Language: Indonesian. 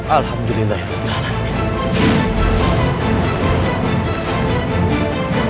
alhamdulillah dia sudah berjalan